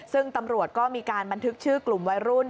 ซึ่งตำรวจก็มีการบันทึกชื่อกลุ่มวัยรุ่น